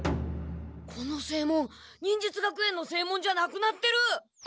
この正門忍術学園の正門じゃなくなってる！